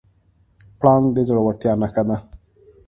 پړانګ د زړورتیا نښه ده.